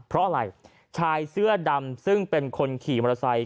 เพราะอะไรชายเสื้อดำซึ่งเป็นคนขี่มอเตอร์ไซค์